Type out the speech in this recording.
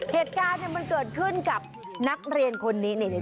เหตุการณ์มันเกิดขึ้นกับนักเรียนคนนี้